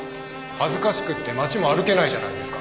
恥ずかしくって街も歩けないじゃないですか。